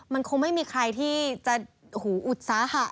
มันคงไม่มีใครที่จะอุตสาหะ